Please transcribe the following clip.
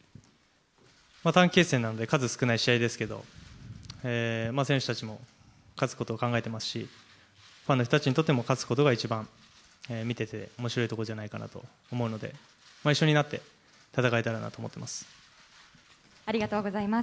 短期決戦なんで、数少ない試合ですけど、選手たちも勝つことを考えていますし、ファンの人たちにとっても、勝つことが一番見てておもしろいところじゃないかなと思うので、一緒になって戦えたらなと思っています。